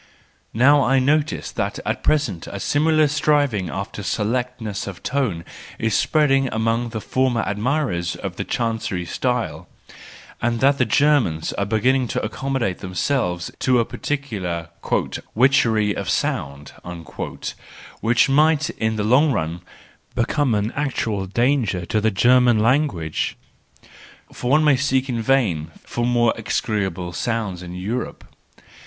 — Now I notice that at present a similar striving after selectness of tone is spreading among the former admirers of the chancery style, and that the Germans are beginning to accommodate themselves to a peculiar " witchery of sound," which might in the long run become an actual danger to the German language,—for one may seek in vain for more execrable sounds in Europe.